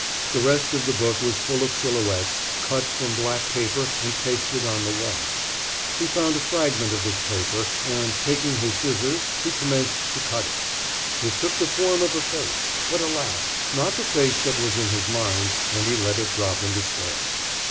The rest of the book was full of silhouettes, cut from black paper and pasted on the white. He found a fragment of this paper, and taking his scissors he commenced to cut it. It took the form of a face; but, alas! not the face that was in his mind, and he let it drop in despair.